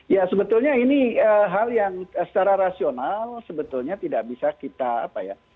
ya sebetulnya ini hal yang secara rasional sebetulnya tidak bisa kita apa ya